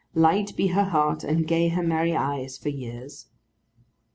Light be her heart, and gay her merry eyes, for years!